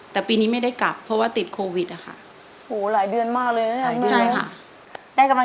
แต่ปีนี้ไม่ได้กลับเพราะว่าติดโควิดนะคะ